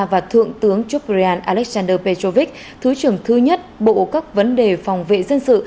và thượng tướng chupriyan alexander petrovic thứ trưởng thứ nhất bộ cấp vấn đề phòng vệ dân sự